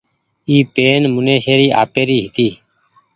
اي پين منيشي ري آپيري هيتي۔